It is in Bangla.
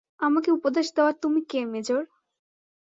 আমাকে উপদেশ দেওয়ার তুমি কে, মেজর?